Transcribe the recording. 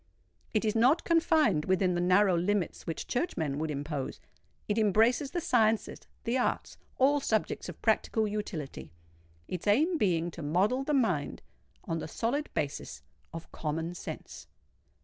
It is not confined within the narrow limits which churchmen would impose: it embraces the sciences—the arts—all subjects of practical utility,—its aim being to model the mind on the solid basis of Common Sense.